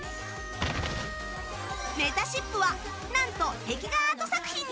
めたしっぷは何と壁画アート作品に！